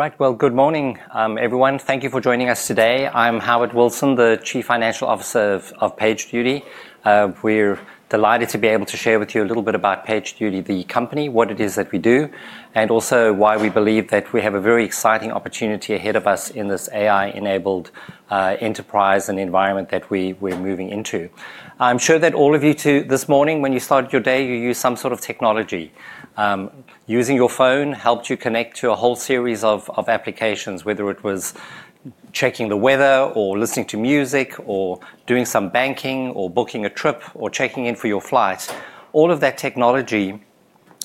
Right, well, good morning, everyone. Thank you for joining us today. I'm Howard Wilson, the Chief Financial Officer of PagerDuty. We're delighted to be able to share with you a little bit about PagerDuty, the company, what it is that we do, and also why we believe that we have a very exciting opportunity ahead of us in this AI-enabled enterprise and environment that we're moving into. I'm sure that all of you too, this morning, when you started your day, you used some sort of technology. Using your phone helped you connect to a whole series of applications, whether it was checking the weather, or listening to music, or doing some banking, or booking a trip, or checking in for your flight. All of that technology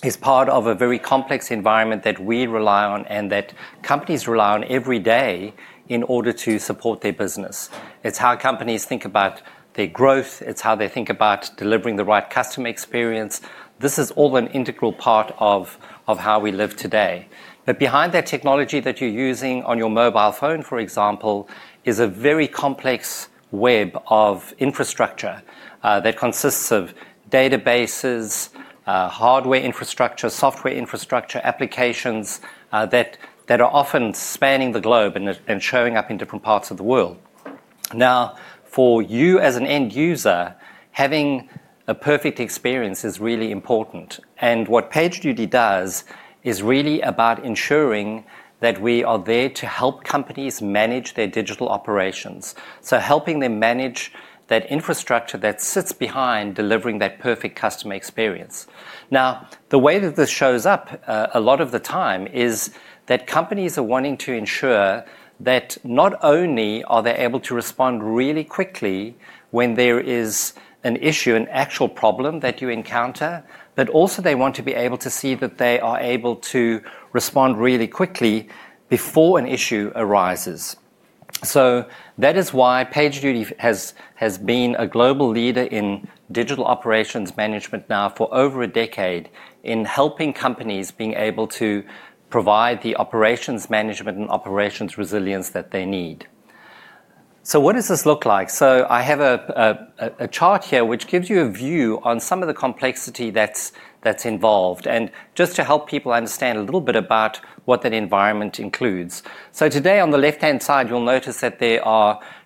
is part of a very complex environment that we rely on and that companies rely on every day in order to support their business. It's how companies think about their growth. It's how they think about delivering the right customer experience. This is all an integral part of how we live today. But behind that technology that you're using on your mobile phone, for example, is a very complex web of infrastructure that consists of databases, hardware infrastructure, software infrastructure, applications that are often spanning the globe and showing up in different parts of the world. Now, for you as an end user, having a perfect experience is really important, and what PagerDuty does is really about ensuring that we are there to help companies manage their digital operations so helping them manage that infrastructure that sits behind delivering that perfect customer experience. Now, the way that this shows up a lot of the time is that companies are wanting to ensure that not only are they able to respond really quickly when there is an issue, an actual problem that you encounter, but also they want to be able to see that they are able to respond really quickly before an issue arises. So that is why PagerDuty has been a global leader in digital operations management now for over a decade in helping companies being able to provide the operations management and operations resilience that they need. So what does this look like? So I have a chart here which gives you a view on some of the complexity that's involved, and just to help people understand a little bit about what that environment includes. So today, on the left-hand side, you'll notice that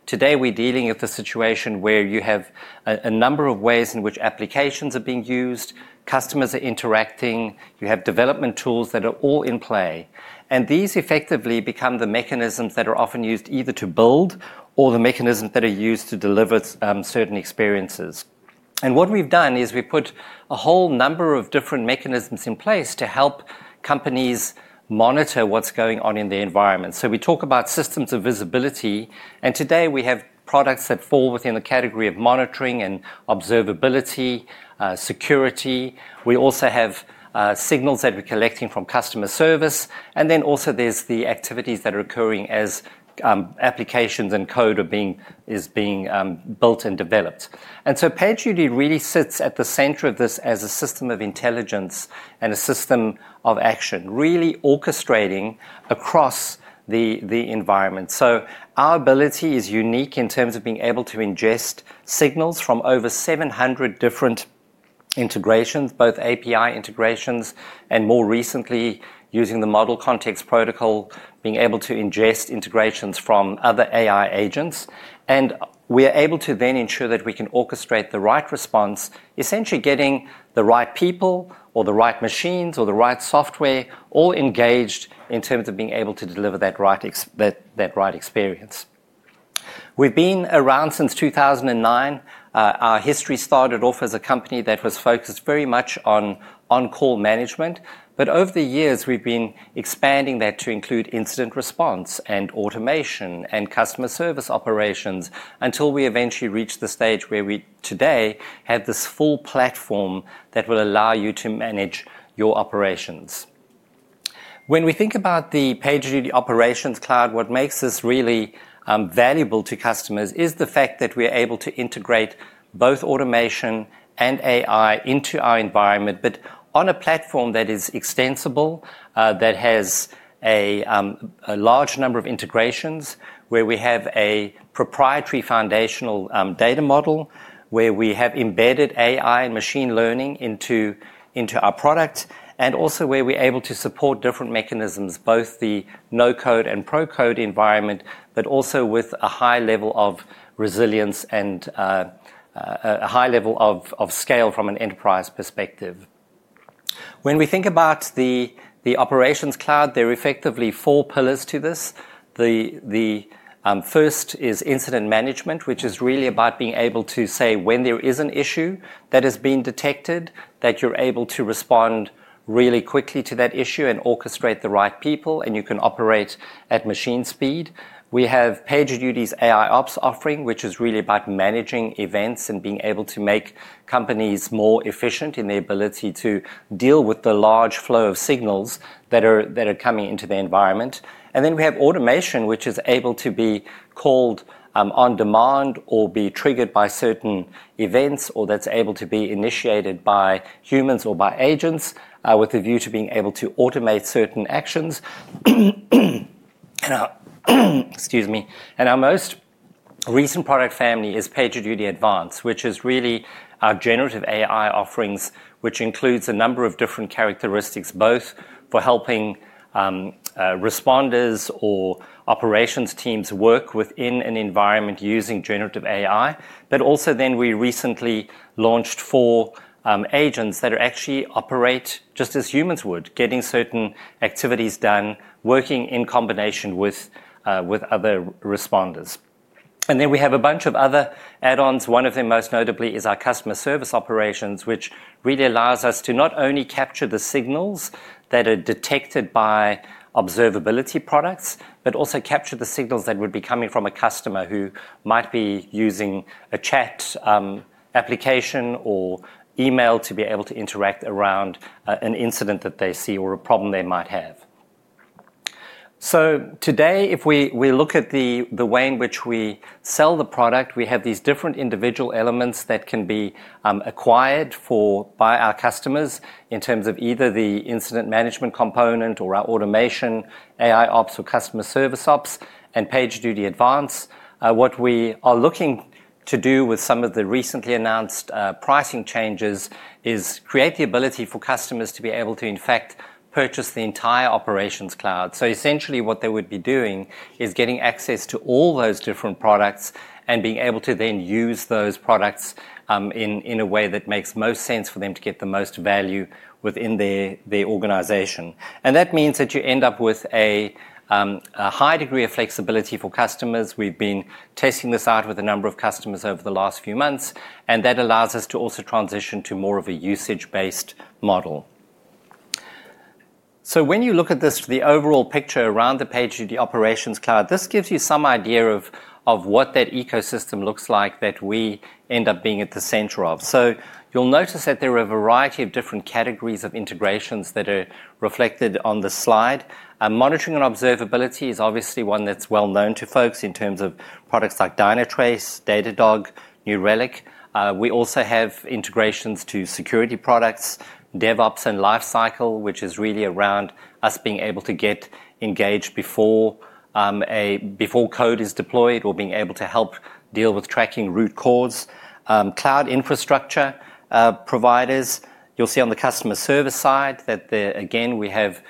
today we're dealing with a situation where you have a number of ways in which applications are being used, customers are interacting, you have development tools that are all in play. And these effectively become the mechanisms that are often used either to build or the mechanisms that are used to deliver certain experiences. And what we've done is we put a whole number of different mechanisms in place to help companies monitor what's going on in the environment. So we talk about systems of visibility. And today, we have products that fall within the category of monitoring and observability, security. We also have Signals that we're collecting from customer service. And then also there's the activities that are occurring as applications and code is being built and developed. And so PagerDuty really sits at the center of this as a system of intelligence and a system of action, really orchestrating across the environment. So our ability is unique in terms of being able to ingest Signals from over 700 different integrations, both API integrations and more recently using the Model Context Protocol, being able to ingest integrations from other AI agents. And we are able to then ensure that we can orchestrate the right response, essentially getting the right people, or the right machines, or the right software all engaged in terms of being able to deliver that right experience. We've been around since 2009. Our history started off as a company that was focused very much on on-call management. But over the years, we've been expanding that to include incident response and automation and customer service operations until we eventually reached the stage where we today have this full platform that will allow you to manage your operations. When we think about the PagerDuty Operations Cloud, what makes this really valuable to customers is the fact that we are able to integrate both automation and AI into our environment, but on a platform that is extensible, that has a large number of integrations, where we have a proprietary foundational data model, where we have embedded AI and machine learning into our product, and also where we're able to support different mechanisms, both the no-code and pro-code environment, but also with a high level of resilience and a high level of scale from an enterprise perspective. When we think about the Operations Cloud, there are effectively four pillars to this. The first is incident management, which is really about being able to say when there is an issue that has been detected, that you're able to respond really quickly to that issue and orchestrate the right people, and you can operate at machine speed. We have PagerDuty AIOps offering, which is really about managing events and being able to make companies more efficient in their ability to deal with the large flow of Signals that are coming into the environment, and then we have automation, which is able to be called on demand or be triggered by certain events, or that's able to be initiated by humans or by agents with a view to being able to automate certain actions. Excuse me. And our most recent product family is PagerDuty Advance, which is really our generative AI offerings, which includes a number of different characteristics, both for helping responders or operations teams work within an environment using generative AI. But also then we recently launched four agents that actually operate just as humans would, getting certain activities done, working in combination with other responders. And then we have a bunch of other add-ons. One of them, most notably, is our customer service operations, which really allows us to not only capture the Signals that are detected by observability products, but also capture the Signals that would be coming from a customer who might be using a chat application or email to be able to interact around an incident that they see or a problem they might have. So today, if we look at the way in which we sell the product, we have these different individual elements that can be acquired by our customers in terms of either the incident management component or our automation, AIOps or Customer Service Ops, and PagerDuty Advance. What we are looking to do with some of the recently announced pricing changes is create the ability for customers to be able to, in fact, purchase the entire Operations Cloud. So essentially, what they would be doing is getting access to all those different products and being able to then use those products in a way that makes most sense for them to get the most value within their organization. And that means that you end up with a high degree of flexibility for customers. We've been testing this out with a number of customers over the last few months. And that allows us to also transition to more of a usage-based model. So when you look at this, the overall picture around the PagerDuty Operations Cloud, this gives you some idea of what that ecosystem looks like that we end up being at the center of. So you'll notice that there are a variety of different categories of integrations that are reflected on the slide. Monitoring and observability is obviously one that's well known to folks in terms of products like Dynatrace, Datadog, New Relic. We also have integrations to security products, DevOps and lifecycle, which is really around us being able to get engaged before code is deployed or being able to help deal with tracking root cause. Cloud infrastructure providers, you'll see on the customer service side that, again, we have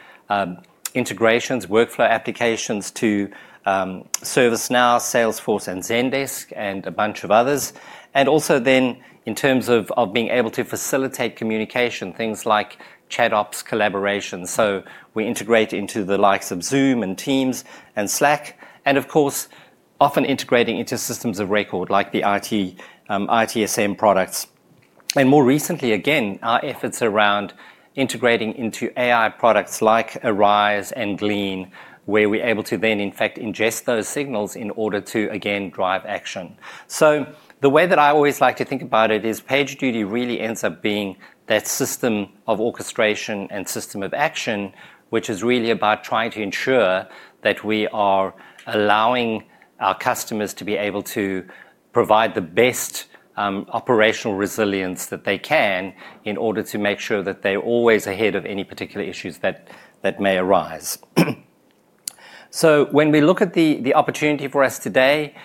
integrations, workflow applications to ServiceNow, Salesforce, and Zendesk, and a bunch of others. And also then in terms of being able to facilitate communication, things like ChatOps collaboration. We integrate into the likes of Zoom and Teams and Slack. Of course, we often integrate into systems of record like the ITSM products. More recently, our efforts around integrating into AI products like Arize and Glean, where we're able to then, in fact, ingest those Signals in order to, again, drive action. The way that I always like to think about it is PagerDuty really ends up being that system of orchestration and system of action, which is really about trying to ensure that we are allowing our customers to be able to provide the best operational resilience that they can in order to make sure that they're always ahead of any particular issues that may arise. So when we look at the opportunity for us today,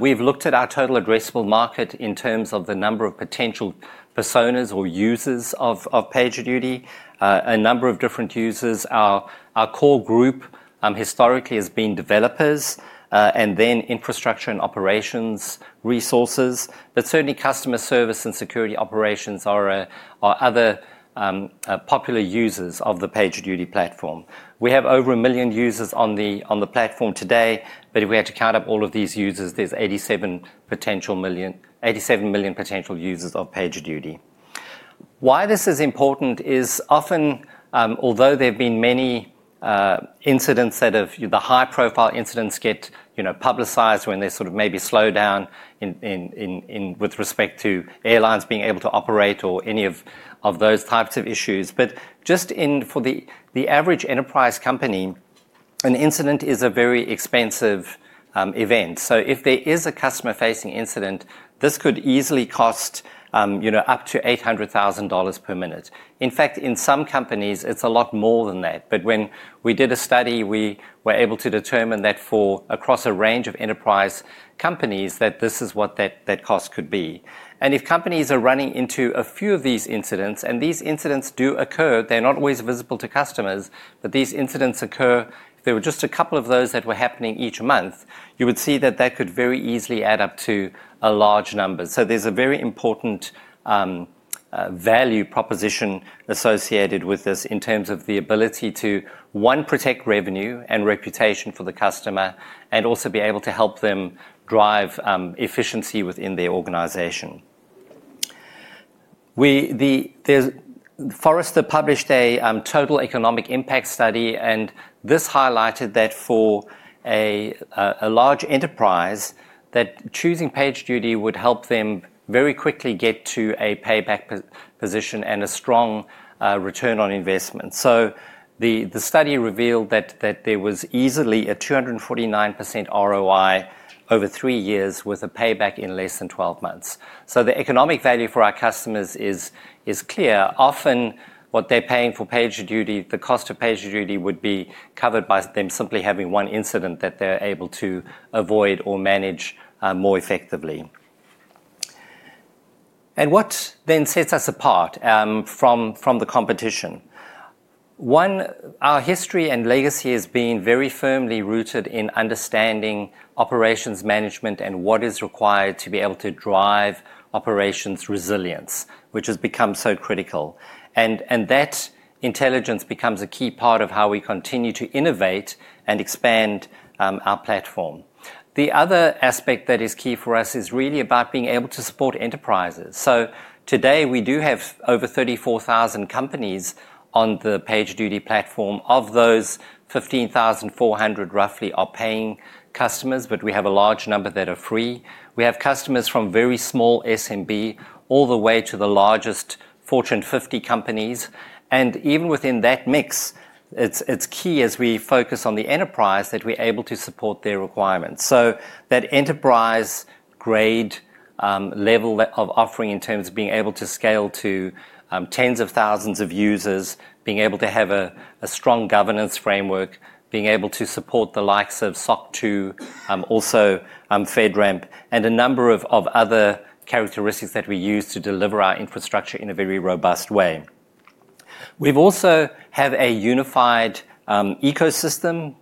we've looked at our total addressable market in terms of the number of potential personas or users of PagerDuty. A number of different users. Our core group historically has been developers, and then infrastructure and operations resources. But certainly, customer service and security operations are other popular users of the PagerDuty platform. We have over a million users on the platform today. But if we had to count up all of these users, there's 87 million potential users of PagerDuty. Why this is important is often, although there have been many incidents that have the high-profile incidents get publicized when they sort of maybe slow down with respect to airlines being able to operate or any of those types of issues. But just for the average enterprise company, an incident is a very expensive event. So if there is a customer-facing incident, this could easily cost up to $800,000 per minute. In fact, in some companies, it's a lot more than that. But when we did a study, we were able to determine that across a range of enterprise companies that this is what that cost could be. And if companies are running into a few of these incidents, and these incidents do occur, they're not always visible to customers, but these incidents occur. There were just a couple of those that were happening each month. You would see that that could very easily add up to a large number. So there's a very important value proposition associated with this in terms of the ability to, one, protect revenue and reputation for the customer, and also be able to help them drive efficiency within their organization. Forrester published a total economic impact study, and this highlighted that for a large enterprise, that choosing PagerDuty would help them very quickly get to a payback position and a strong return on investment. So the study revealed that there was easily a 249% ROI over three years with a payback in less than 12 months. So the economic value for our customers is clear. Often, what they're paying for PagerDuty, the cost of PagerDuty would be covered by them simply having one incident that they're able to avoid or manage more effectively. And what then sets us apart from the competition? One, our history and legacy has been very firmly rooted in understanding operations management and what is required to be able to drive operations resilience, which has become so critical. And that intelligence becomes a key part of how we continue to innovate and expand our platform. The other aspect that is key for us is really about being able to support enterprises. So today, we do have over 34,000 companies on the PagerDuty platform. Of those, 15,400 roughly are paying customers, but we have a large number that are free. We have customers from very small SMB all the way to the largest Fortune 50 companies. And even within that mix, it's key as we focus on the enterprise that we're able to support their requirements. So that enterprise-grade level of offering in terms of being able to scale to tens of thousands of users, being able to have a strong governance framework, being able to support the likes of SOC 2, also FedRAMP, and a number of other characteristics that we use to deliver our infrastructure in a very robust way. We also have a unified ecosystem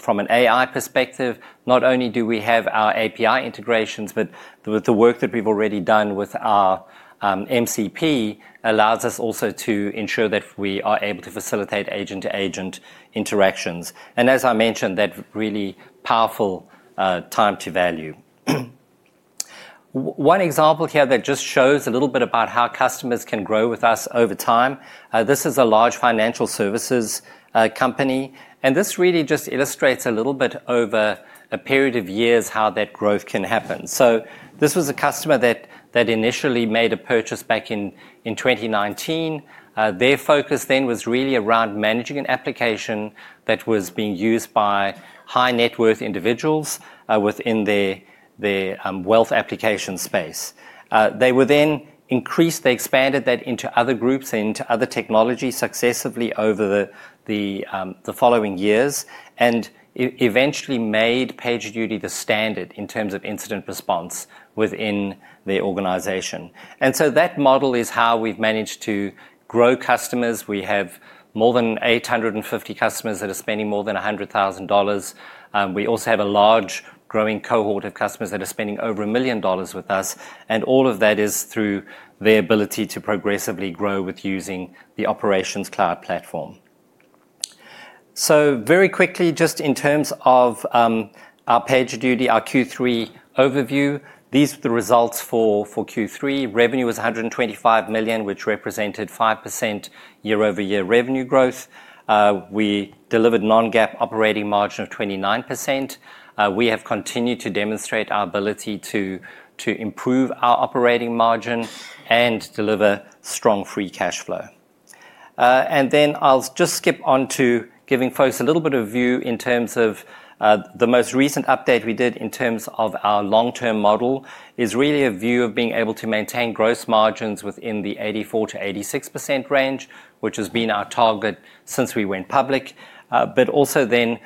from an AI perspective. Not only do we have our API integrations, but the work that we've already done with our MCP allows us also to ensure that we are able to facilitate agent-to-agent interactions, and as I mentioned, that really powerful time to value. One example here that just shows a little bit about how customers can grow with us over time. This is a large financial services company, and this really just illustrates a little bit over a period of years how that growth can happen, so this was a customer that initially made a purchase back in 2019. Their focus then was really around managing an application that was being used by high-net-worth individuals within their wealth application space. They were then increased. They expanded that into other groups and into other technologies successively over the following years and eventually made PagerDuty the standard in terms of incident response within the organization. And so that model is how we've managed to grow customers. We have more than 850 customers that are spending more than $100,000. We also have a large growing cohort of customers that are spending over a million dollars with us. And all of that is through their ability to progressively grow with using the Operations Cloud platform. So very quickly, just in terms of our PagerDuty, our Q3 overview, these are the results for Q3. Revenue was $125 million, which represented 5% year-over-year revenue growth. We delivered non-GAAP operating margin of 29%. We have continued to demonstrate our ability to improve our operating margin and deliver strong free cash flow. And then I'll just skip on to giving folks a little bit of view in terms of the most recent update we did in terms of our long-term model, which is really a view of being able to maintain gross margins within the 84%-86% range, which has been our target since we went public. But also then,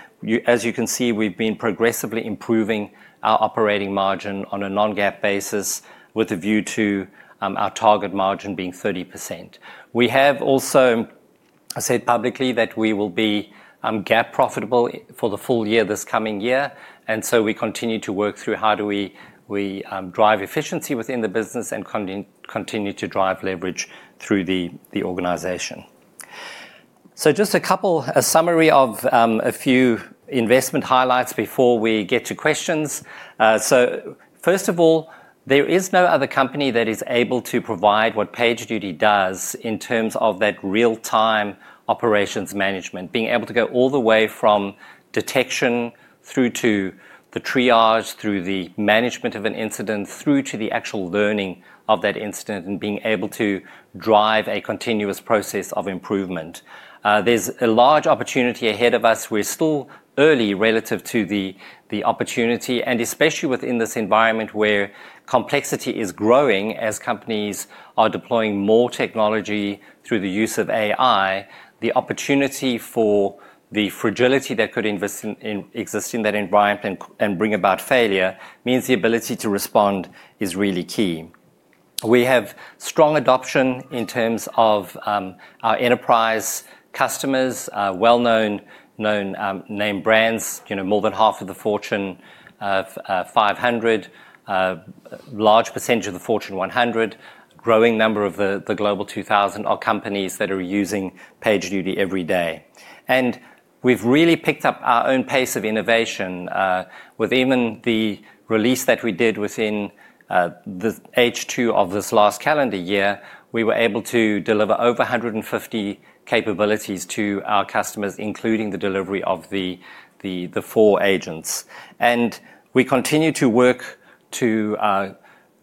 as you can see, we've been progressively improving our operating margin on a non-GAAP basis with a view to our target margin being 30%. We have also said publicly that we will be GAAP profitable for the full year this coming year. And so we continue to work through how do we drive efficiency within the business and continue to drive leverage through the organization. So just a summary of a few investment highlights before we get to questions. So first of all, there is no other company that is able to provide what PagerDuty does in terms of that real-time operations management, being able to go all the way from detection through to the triage, through the management of an incident, through to the actual learning of that incident, and being able to drive a continuous process of improvement. There's a large opportunity ahead of us. We're still early relative to the opportunity, and especially within this environment where complexity is growing as companies are deploying more technology through the use of AI, the opportunity for the fragility that could exist in that environment and bring about failure means the ability to respond is really key. We have strong adoption in terms of our enterprise customers, well-known name brands, more than half of the Fortune 500, large percentage of the Fortune 100, growing number of the Global 2000, or companies that are using PagerDuty every day. And we've really picked up our own pace of innovation. With even the release that we did within the H2 of this last calendar year, we were able to deliver over 150 capabilities to our customers, including the delivery of the four agents. And we continue to work to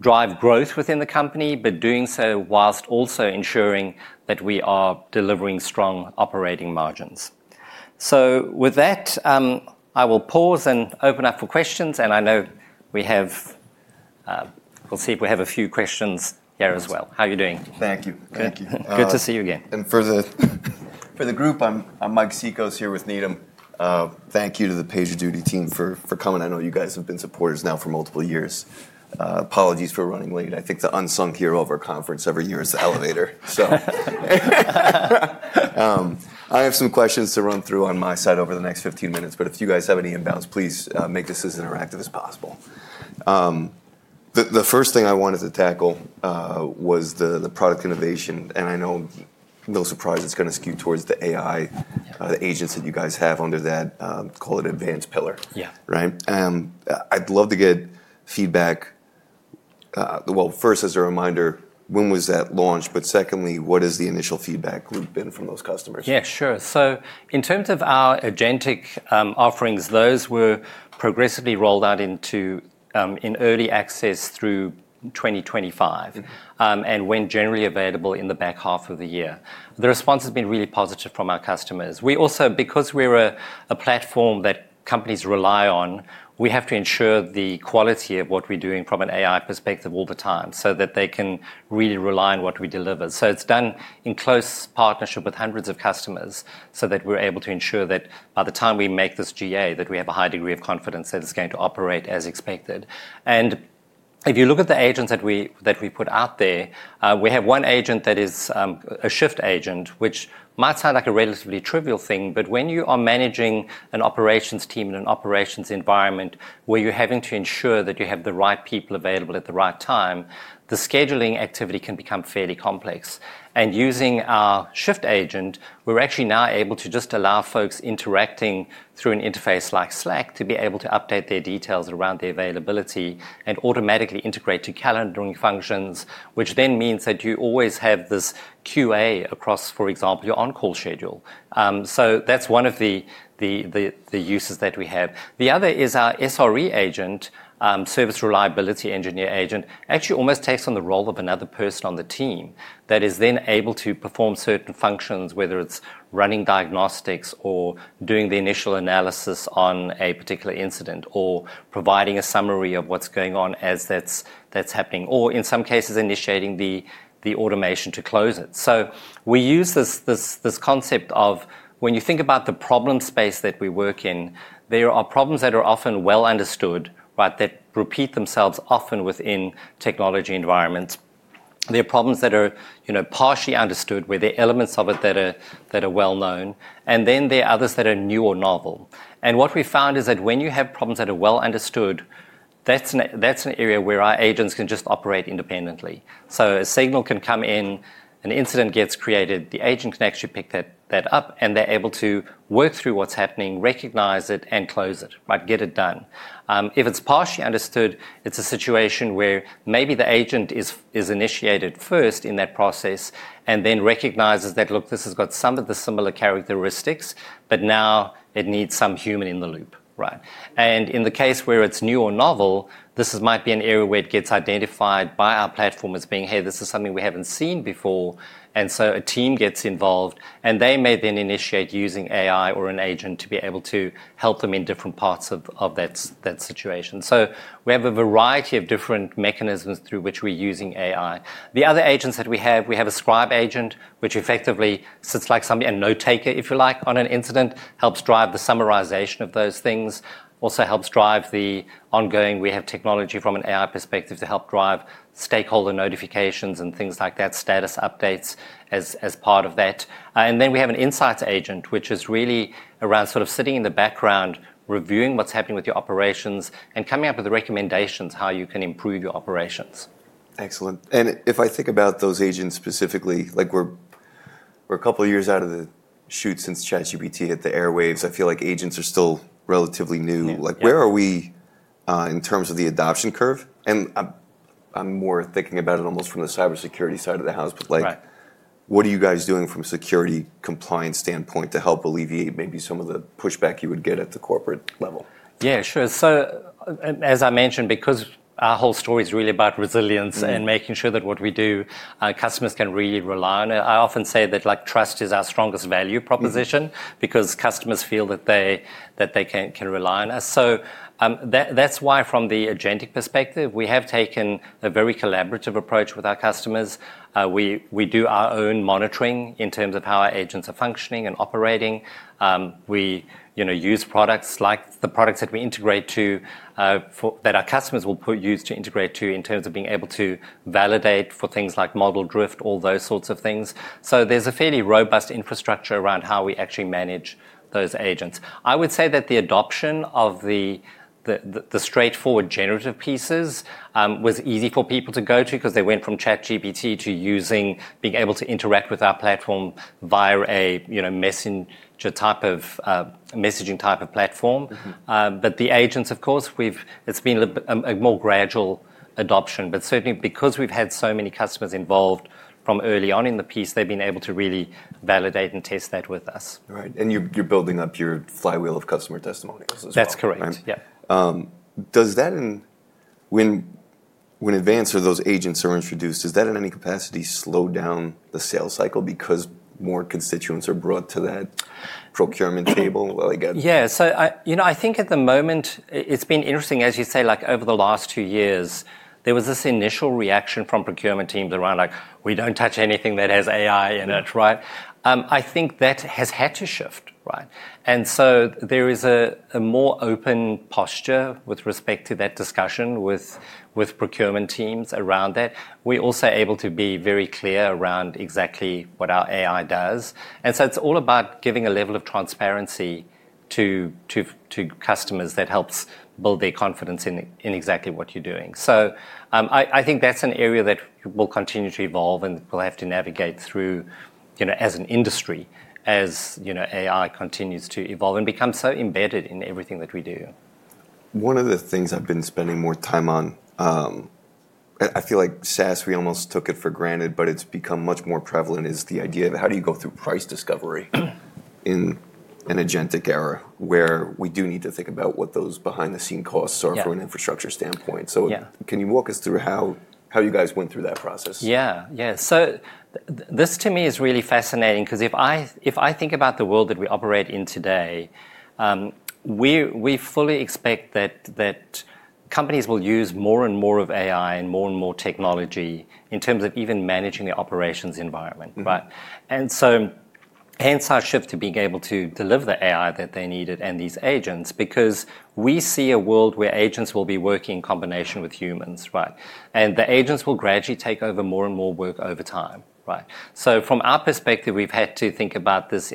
drive growth within the company, but doing so whilst also ensuring that we are delivering strong operating margins. So with that, I will pause and open up for questions. And I know we'll see if we have a few questions here as well. How are you doing? Thank you. Thank you. Good to see you again. For the group, I'm Mike Cikos here with Needham. Thank you to the PagerDuty team for coming. I know you guys have been supporters now for multiple years. Apologies for running late. I think the unsung hero of our conference every year is the elevator. I have some questions to run through on my side over the next 15 minutes. If you guys have any inbounds, please make this as interactive as possible. The first thing I wanted to tackle was the product innovation. I know, no surprise, it's going to skew towards the AI agents that you guys have under that, call it Advance pillar. Right? I'd love to get feedback. First, as a reminder, when was that launch? Secondly, what has the initial feedback loop been from those customers? Yeah, sure. So in terms of our agentic offerings, those were progressively rolled out into early access through 2025 and went generally available in the back half of the year. The response has been really positive from our customers. We also, because we're a platform that companies rely on, we have to ensure the quality of what we're doing from an AI perspective all the time so that they can really rely on what we deliver. So it's done in close partnership with hundreds of customers so that we're able to ensure that by the time we make this GA, that we have a high degree of confidence that it's going to operate as expected. And if you look at the agents that we put out there, we have one agent that is a Shift Agent, which might sound like a relatively trivial thing. But when you are managing an operations team in an operations environment where you're having to ensure that you have the right people available at the right time, the scheduling activity can become fairly complex. And using our Shift Agent, we're actually now able to just allow folks interacting through an interface like Slack to be able to update their details around their availability and automatically integrate to calendaring functions, which then means that you always have this QA across, for example, your on-call schedule. So that's one of the uses that we have. The other is our SRE Agent, site reliability engineer agent, actually almost takes on the role of another person on the team that is then able to perform certain functions, whether it's running diagnostics or doing the initial analysis on a particular incident or providing a summary of what's going on as that's happening, or in some cases, initiating the automation to close it, so we use this concept of when you think about the problem space that we work in, there are problems that are often well understood that repeat themselves often within technology environments. There are problems that are partially understood where there are elements of it that are well known, and then there are others that are new or novel, and what we found is that when you have problems that are well understood, that's an area where our agents can just operate independently. So a Signal can come in, an incident gets created, the agent can actually pick that up, and they're able to work through what's happening, recognize it, and close it, get it done. If it's partially understood, it's a situation where maybe the agent is initiated first in that process and then recognizes that, look, this has got some of the similar characteristics, but now it needs some human in the loop. And in the case where it's new or novel, this might be an area where it gets identified by our platform as being, hey, this is something we haven't seen before. And so a team gets involved, and they may then initiate using AI or an agent to be able to help them in different parts of that situation. So we have a variety of different mechanisms through which we're using AI. The other agents that we have, we have a Scribe Agent, which effectively sits like somebody, a note taker, if you like, on an incident, helps drive the summarization of those things, also helps drive the ongoing. We have technology from an AI perspective to help drive stakeholder notifications and things like that, status updates as part of that. And then we have an Insights Agent, which is really around sort of sitting in the background, reviewing what's happening with your operations and coming up with recommendations how you can improve your operations. Excellent. And if I think about those agents specifically, we're a couple of years out of the chute since ChatGPT hit the airwaves. I feel like agents are still relatively new. Where are we in terms of the adoption curve? And I'm more thinking about it almost from the cybersecurity side of the house, but what are you guys doing from a security compliance standpoint to help alleviate maybe some of the pushback you would get at the corporate level? Yeah, sure. So as I mentioned, because our whole story is really about resilience and making sure that what we do, our customers can really rely on it. I often say that trust is our strongest value proposition because customers feel that they can rely on us. So that's why from the agentic perspective, we have taken a very collaborative approach with our customers. We do our own monitoring in terms of how our agents are functioning and operating. We use products like the products that we integrate to that our customers will use to integrate to in terms of being able to validate for things like model drift, all those sorts of things. So there's a fairly robust infrastructure around how we actually manage those agents. I would say that the adoption of the straightforward generative pieces was easy for people to go to because they went from ChatGPT to being able to interact with our platform via a messenger type of messaging platform. But the agents, of course, it's been a more gradual adoption. But certainly, because we've had so many customers involved from early on in the piece, they've been able to really validate and test that with us. Right. And you're building up your flywheel of customer testimonials as well. That's correct. Yeah. When advanced or those agents are introduced, does that in any capacity slow down the sales cycle because more constituents are brought to that procurement table? Yeah. So I think at the moment, it's been interesting. As you say, over the last two years, there was this initial reaction from procurement teams around, we don't touch anything that has AI in it. I think that has had to shift. And so there is a more open posture with respect to that discussion with procurement teams around that. We're also able to be very clear around exactly what our AI does. And so it's all about giving a level of transparency to customers that helps build their confidence in exactly what you're doing. So I think that's an area that will continue to evolve and we'll have to navigate through as an industry as AI continues to evolve and become so embedded in everything that we do. One of the things I've been spending more time on, I feel like SaaS, we almost took it for granted, but it's become much more prevalent, is the idea of how do you go through price discovery in an agentic era where we do need to think about what those behind-the-scenes costs are from an infrastructure standpoint. So can you walk us through how you guys went through that process? Yeah. Yeah. So this to me is really fascinating because if I think about the world that we operate in today, we fully expect that companies will use more and more of AI and more and more technology in terms of even managing the operations environment. And so hence our shift to being able to deliver the AI that they needed and these agents because we see a world where agents will be working in combination with humans. And the agents will gradually take over more and more work over time. So from our perspective We've had to think about this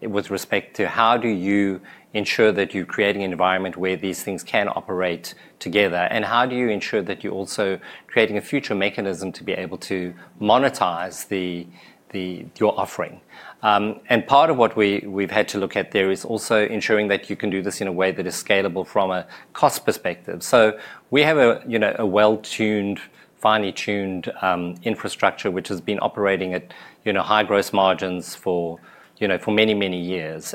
with respect to how do you ensure that you're creating an environment where these things can operate together, and how do you ensure that you're also creating a future mechanism to be able to monetize your offering. Part of what we've had to look at there is also ensuring that you can do this in a way that is scalable from a cost perspective. We have a well-tuned, finely tuned infrastructure which has been operating at high gross margins for many, many years.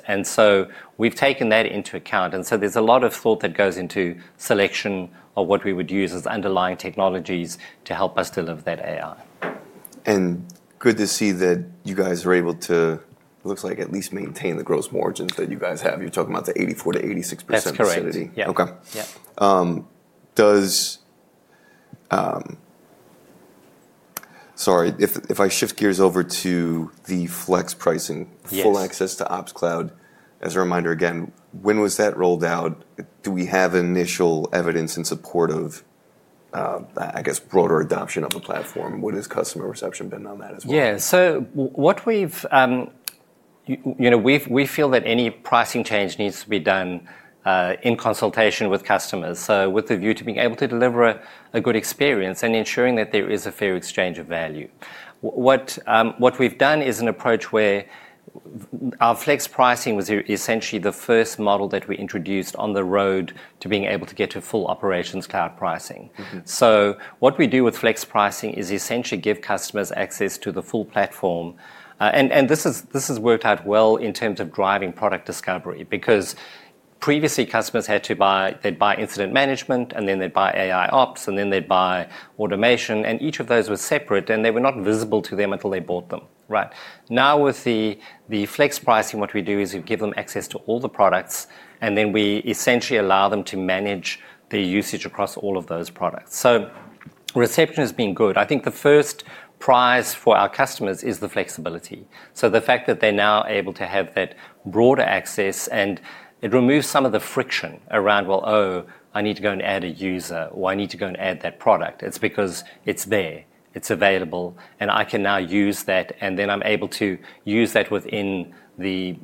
We've taken that into account. There's a lot of thought that goes into selection of what we would use as underlying technologies to help us deliver that AI. Good to see that you guys are able to, it looks like, at least maintain the gross margins that you guys have. You're talking about the 84%-86% facility. That's correct. Yeah. Okay. Sorry. If I shift gears over to the flex pricing, full access to Ops Cloud, as a reminder again, when was that rolled out? Do we have initial evidence in support of, I guess, broader adoption of the platform? What has customer reception been on that as well? Yeah. So we feel that any pricing change needs to be done in consultation with customers, so with a view to being able to deliver a good experience and ensuring that there is a fair exchange of value. What we've done is an approach where our flex pricing was essentially the first model that we introduced on the road to being able to get to full operations cloud pricing. So what we do with flex pricing is essentially give customers access to the full platform. And this has worked out well in terms of driving product discovery because previously, customers had to buy, they'd buy incident management, and then they'd buy AIOps, and then they'd buy automation. And each of those was separate, and they were not visible to them until they bought them. Now with the flex pricing, what we do is we give them access to all the products, and then we essentially allow them to manage their usage across all of those products, so reception has been good. I think the first prize for our customers is the flexibility, so the fact that they're now able to have that broader access, and it removes some of the friction around, well, oh, I need to go and add a user, or I need to go and add that product. It's because it's there. It's available, and I can now use that, and then I'm able to use that within the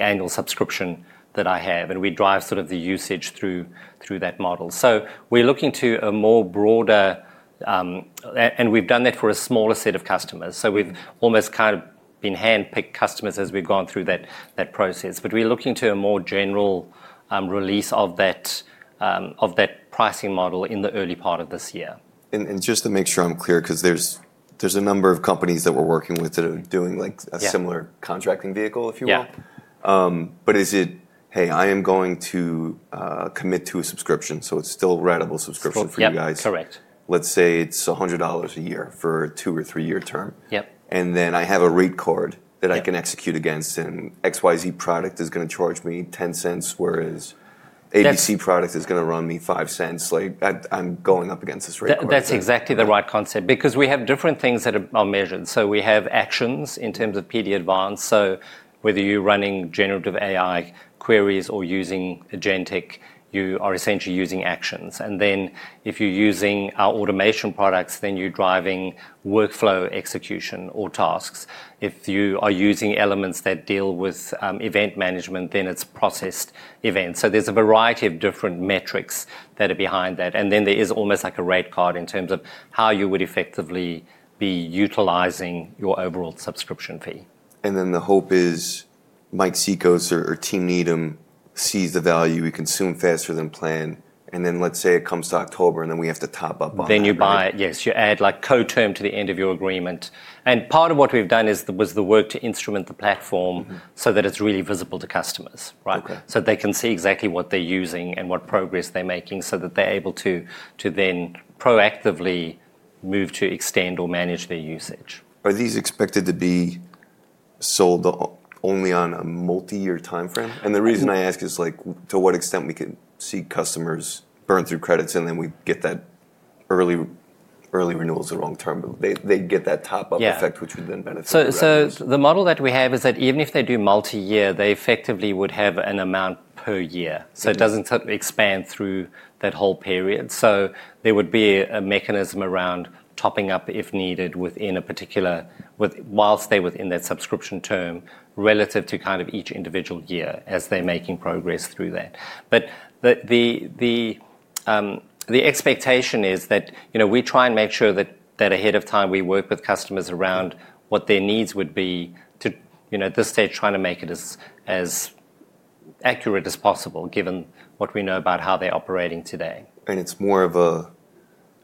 annual subscription that I have, and we drive sort of the usage through that model, so we're looking to a more broader, and we've done that for a smaller set of customers. So we've almost kind of been hand-picked customers as we've gone through that process. But we're looking to a more general release of that pricing model in the early part of this year. And just to make sure I'm clear, because there's a number of companies that we're working with that are doing a similar contracting vehicle, if you will. But is it, hey, I am going to commit to a subscription, so it's still a ratable subscription for you guys. Correct. Let's say it's $100 a year for a two- or three-year term. Then I have a rate card that I can execute against, and XYZ product is going to charge me $0.10, whereas ABC product is going to run me $0.05. I'm going up against this rate card. That's exactly the right concept because we have different things that are measured. So we have actions in terms of PD advance. So whether you're running generative AI queries or using agentic, you are essentially using actions. And then if you're using our automation products, then you're driving workflow execution or tasks. If you are using elements that deal with event management, then it's processed events. So there's a variety of different metrics that are behind that. And then there is almost like a rate card in terms of how you would effectively be utilizing your overall subscription fee. And then the hope is Mike Cikos or Team Needham sees the value, we consume faster than planned. And then let's say it comes to October, and then we have to top up on it. Then you buy it. Yes. You add co-term to the end of your agreement, and part of what we've done is the work to instrument the platform so that it's really visible to customers so they can see exactly what they're using and what progress they're making so that they're able to then proactively move to extend or manage their usage. Are these expected to be sold only on a multi-year time frame? And the reason I ask is to what extent we can see customers burn through credits and then we get that early renewal is the wrong term, but they get that top-up effect, which would then benefit them. So the model that we have is that even if they do multi-year, they effectively would have an amount per year. So it doesn't expand through that whole period. So there would be a mechanism around topping up if needed while they're within that subscription term relative to kind of each individual year as they're making progress through that. But the expectation is that we try and make sure that ahead of time we work with customers around what their needs would be to this stage, trying to make it as accurate as possible given what we know about how they're operating today. It's more of a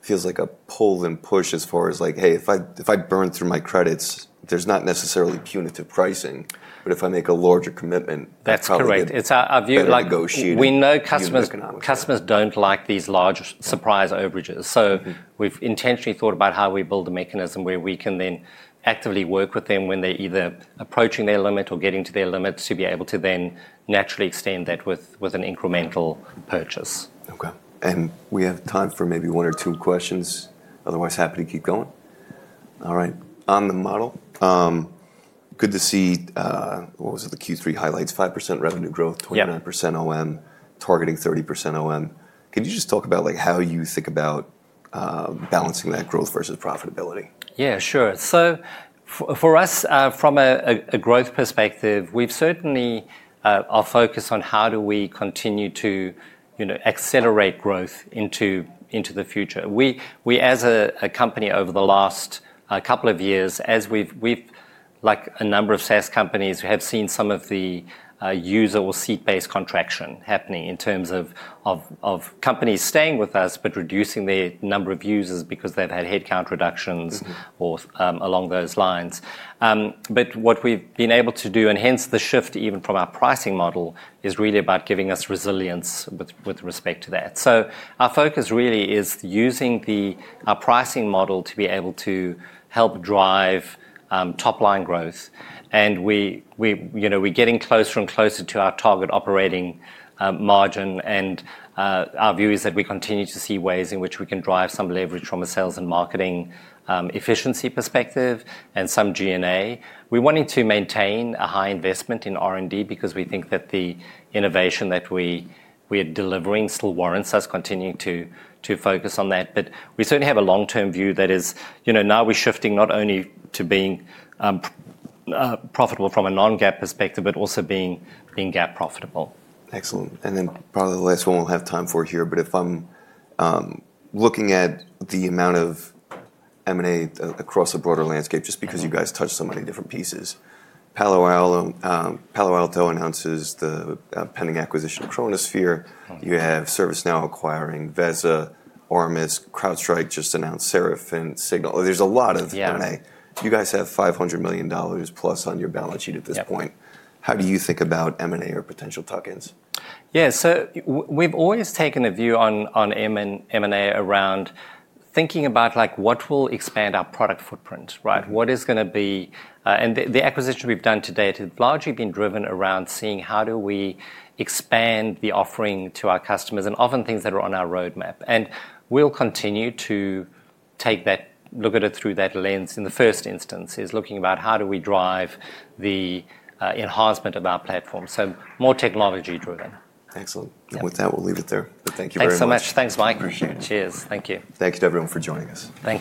feels like a pull and push as far as like, hey, if I burn through my credits, there's not necessarily punitive pricing, but if I make a larger commitment. That's correct. We know customers don't like these large surprise overages. So we've intentionally thought about how we build a mechanism where we can then actively work with them when they're either approaching their limit or getting to their limits to be able to then naturally extend that with an incremental purchase. Okay. And we have time for maybe one or two questions. Otherwise, happy to keep going. All right. On the model, good to see what was it, the Q3 highlights, 5% revenue growth, 29% OM, targeting 30% OM. Can you just talk about how you think about balancing that growth versus profitability? Yeah, sure. So for us, from a growth perspective, we've certainly our focus on how do we continue to accelerate growth into the future. We, as a company over the last couple of years, as we've like a number of SaaS companies, have seen some of the user or seat-based contraction happening in terms of companies staying with us but reducing their number of users because they've had headcount reductions or along those lines. But what we've been able to do, and hence the shift even from our pricing model, is really about giving us resilience with respect to that. So our focus really is using our pricing model to be able to help drive top-line growth. And we're getting closer and closer to our target operating margin. And our view is that we continue to see ways in which we can drive some leverage from a sales and marketing efficiency perspective and some G&A. We're wanting to maintain a high investment in R&D because we think that the innovation that we are delivering still warrants us continuing to focus on that. But we certainly have a long-term view that is now we're shifting not only to being profitable from a non-GAAP perspective, but also being GAAP profitable. Excellent. And then probably the last one we'll have time for here. But if I'm looking at the amount of M&A across the broader landscape, just because you guys touched so many different pieces, Palo Alto announces the pending acquisition of Chronosphere. You have ServiceNow acquiring Veza, Armis. CrowdStrike just announced Seraphic, Signal. There's a lot of M&A. You guys have $500 million plus on your balance sheet at this point. How do you think about M&A or potential tuck-ins? Yeah. So we've always taken a view on M&A around thinking about what will expand our product footprint, what is going to be. And the acquisition we've done to date has largely been driven around seeing how do we expand the offering to our customers and often things that are on our roadmap. And we'll continue to take that, look at it through that lens in the first instance, is looking about how do we drive the enhancement of our platform. So more technology-driven. Excellent. And with that, we'll leave it there. But thank you very much. Thanks so much. Thanks, Mike. Appreciate it. Cheers. Thank you. Thank you to everyone for joining us. Thank you.